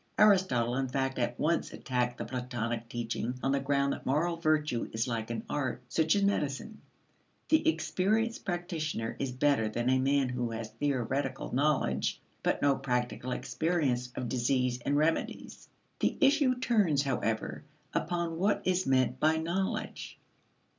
Aristotle, in fact, at once attacked the Platonic teaching on the ground that moral virtue is like an art, such as medicine; the experienced practitioner is better than a man who has theoretical knowledge but no practical experience of disease and remedies. The issue turns, however, upon what is meant by knowledge.